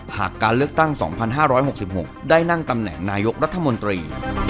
หากการเลือกตั้ง๒๕๖๖ได้นั่งตำแหน่งนายกรัฐมนตรี